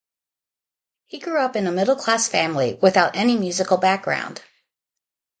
He grew up in a middle-class family, without any musical background.